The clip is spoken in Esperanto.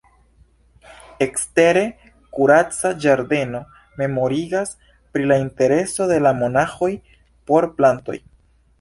Ekstere, kuraca ĝardeno memorigas pri la intereso de la monaĥoj por plantoj.